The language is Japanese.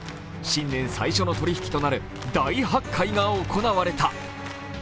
新年最初の取引となる大発会が行われた。